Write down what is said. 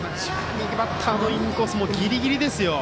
右バッターのインコースもギリギリですよ。